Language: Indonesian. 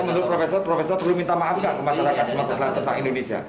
menurut profesor profesor perlu minta maaf gak ke masyarakat semata selatan indonesia